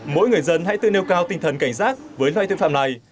mỗi người dân hãy tự nêu cao tinh thần cảnh giác với loại thương phạm này